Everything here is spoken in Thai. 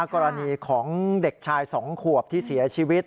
กรณีของเด็กชาย๒ขวบที่เสียชีวิต